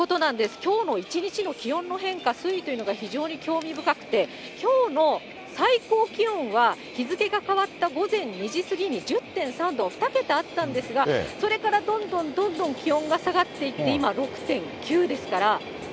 きょうの一日の気温の変化、推移というのが非常に興味深くて、きょうの最高気温は日付けが変わった午前２時過ぎに１０．３度、２桁あったんですが、それからどんどんどんどん気温が下がっていって、今、６．９ですから。